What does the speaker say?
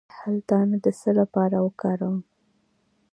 د هل دانه د څه لپاره وکاروم؟